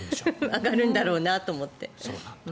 上がるんだろうなと思って。